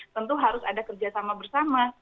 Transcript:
tentu harus ada kerja sama bersama